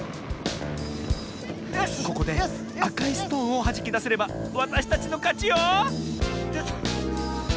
ここであかいストーンをはじきだせればわたしたちのかちよ！